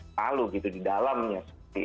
selalu gitu di dalamnya